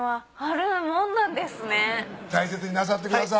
大切になさってください。